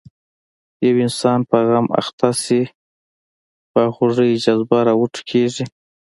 یو انسان په غم اخته شي خواخوږۍ جذبه راوټوکېږي.